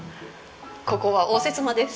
ここは応接間です。